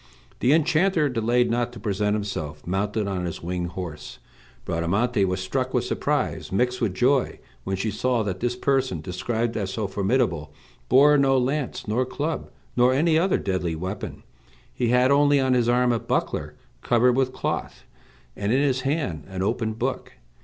The enchanter delayed not to present himself, mounted on his winged horse. Bradamante was struck with surprise mixed with joy when she saw that this person, described as so formidable, bore no lance nor club, nor any other deadly weapon. He had only on his arm a buckler, covered with a cloth, and in his hand an open book.